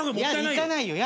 行かないよ。